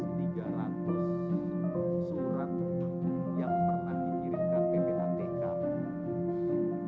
surat yang pernah dikirimkan ppatk